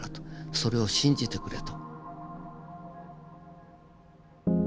それを信じてくれと。